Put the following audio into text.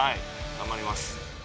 頑張ります